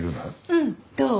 うん。どう？